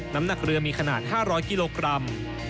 น้ำหนักเรือมีขนาด๕๐๐กิโลกรัม